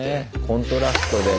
コントラストで。